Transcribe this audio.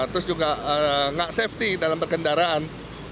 terus juga nggak safety dalam berkendaraan